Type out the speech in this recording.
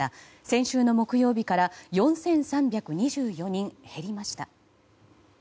先週の木曜日から４３２４人減りました。